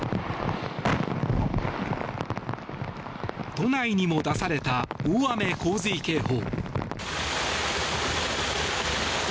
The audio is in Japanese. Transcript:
都内にも出された大雨・洪水警報。